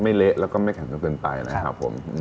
เละแล้วก็ไม่แข็งจนเกินไปนะครับผม